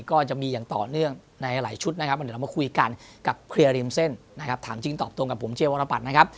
กับเคลียร์ริมเส้นนะครับถามจริงตอบตรงกับผมเจียววรรณปัจนะครับ